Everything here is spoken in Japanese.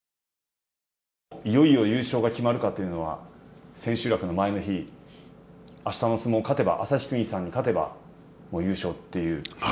いよいよ優勝が決まるかというのは、千秋楽の前の日あしたの相撲、勝てば旭國さんに勝てば優勝という。